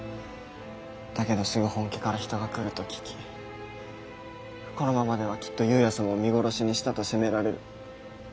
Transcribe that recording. だけどすぐ本家から人が来ると聞きこのままではきっと由也様を見殺しにしたと責められる。